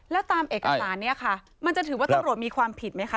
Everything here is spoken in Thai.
แล้วตามเอกสารเนี่ยค่ะมันจะถือว่าตำรวจมีความผิดไหมคะ